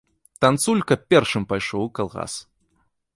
Танцулька першым пайшоў у калгас.